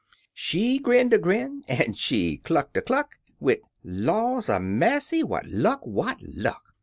She grinned a grin an' she clucked a cluck, Wid, " Laws a massy 1 what luck! what luck!"